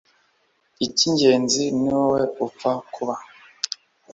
icyigenzi ni wowe upfa kuba